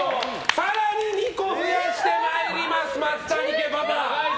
更に２個増やしてまいります松谷家パパ。